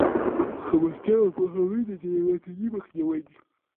خبرتیا او پوهاوی د دې یوازینۍ مخنیوی دی.